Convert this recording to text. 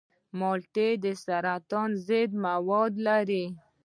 مالټې د سرطان ضد مواد لري.